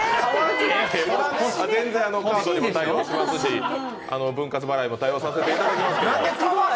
全然カードでも対応しますし分割払いも対応させてもらいますけど。